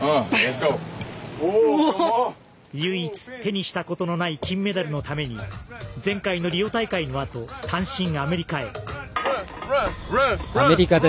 唯一、手にしたことのない金メダルのために前回のリオ大会の後単身、アメリカへ。